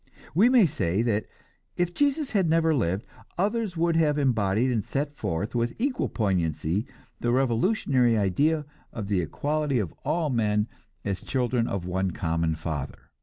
We may say that if Jesus had never lived, others would have embodied and set forth with equal poignancy the revolutionary idea of the equality of all men as children of one common father.